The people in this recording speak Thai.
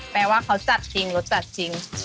แปลว่าเขารสจัดจริง